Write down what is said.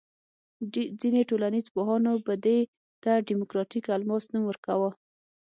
ځینې ټولنیز پوهانو به دې ته دیموکراتیک الماس نوم ورکاوه.